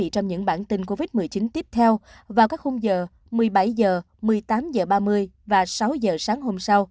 trong những bản tin covid một mươi chín tiếp theo vào các khung giờ một mươi bảy h một mươi tám h ba mươi